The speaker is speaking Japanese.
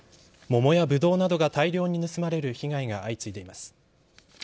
桃やブドウなどが大量に盗まれる被害が相次いでいます。